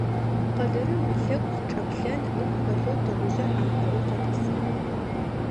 Къыдырым ылъэгу къычӀэплъэн ыгу хэлъэу тыгъужъыр хьампӀэӏоу къэтӀысыгъ.